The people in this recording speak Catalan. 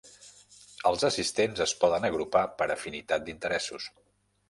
Els assistents es poden agrupar per afinitat d'interessos.